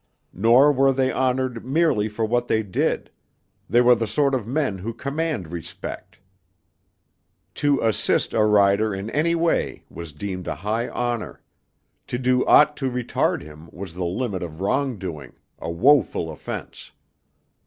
Nor were they honored merely for what they did; they were the sort of men who command respect. To assist a rider in any way was deemed a high honor; to do aught to retard him was the limit of wrong doing, a woeful offense.